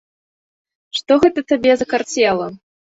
Што гэта табе закарцела?